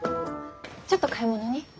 ちょっと買い物に。